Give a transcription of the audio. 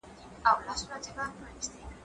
زه پرون کتابتوني کار کوم!.